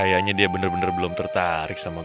kayaknya dia bener bener belum tertarik sama gue